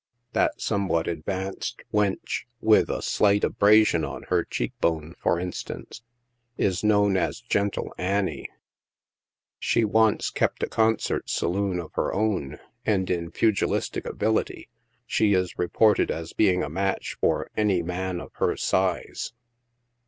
That somewhat advanced wench, with a slight abrasion on her cheek bone, for instance, is known as " Gentle Annie." She once kept a concert saloon of her own, and, in pugil istic ability, she is reported as being a match for any " man of her size."